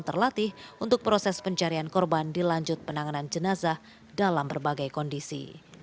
terlatih untuk proses pencarian korban dilanjut penanganan jenazah dalam berbagai kondisi